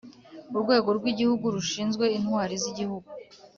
Urwego rw Igihugu rushinzwe Intwari z Igihugu